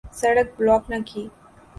سڑک بلاک نہ کی۔